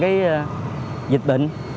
cái dịch bệnh